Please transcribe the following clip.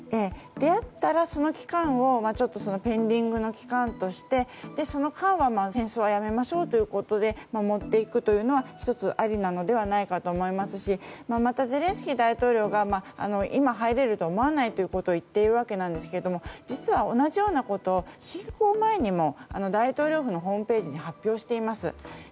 であったら、その期間をペンディングの期間としてその間は戦争はやめましょうということでもっていくというのが１つありなのではないかと思いますしまた、ゼレンスキー大統領が今、入れると思わないということを言っているわけですが実は同じようなことを侵攻前にも大統領府のホームページで発表しています。